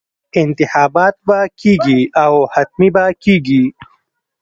انتخابات به کېږي او حتمي به کېږي.